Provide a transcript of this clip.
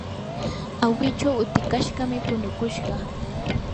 awichu utikashqami punukushqa.